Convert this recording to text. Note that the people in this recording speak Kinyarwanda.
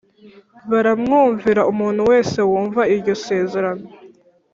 baramwumvira umuntu wese wumva iryo sezerano